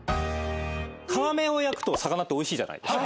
皮目を焼くと魚っておいしいじゃないですか。